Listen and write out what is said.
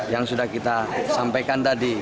yang sudah kita sampaikan tadi